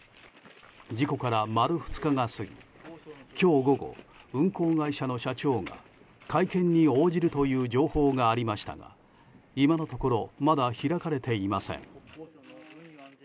事故から丸２日が過ぎ今日午後、運航会社の社長が会見に応じるという情報がありましたが今のところまだ開かれていません。